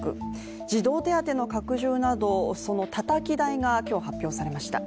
児童手当の拡充などそのたたき台が今日発表されました。